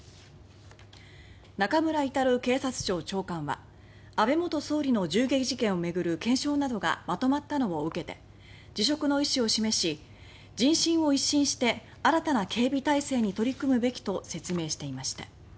中村格警察庁長官は安倍元総理の銃撃事件を巡る検証などがまとまったのを受けて辞職の意思を示し「人心を一新して新たな警備体制に取り組むべき」と説明していました。